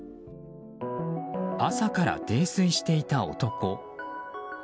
朝から泥酔していた男。